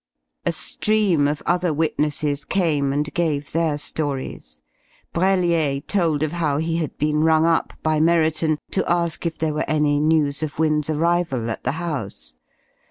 A stream of other witnesses came and gave their stories. Brellier told of how he had been rung up by Merriton to ask if there were any news of Wynne's arrival at the house.